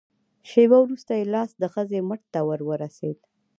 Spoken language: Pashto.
شېبه وروسته يې لاس د ښځې مټ ته ور ورسېد.